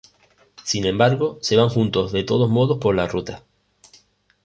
Sin embargo, se van juntos de todos modos por la ruta.